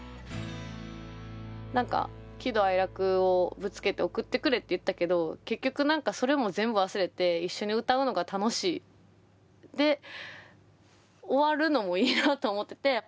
何か喜怒哀楽をぶつけて送ってくれって言ったけど結局何かそれも全部忘れて一緒に歌うのが楽しい。で終わるのもいいなと思ってて。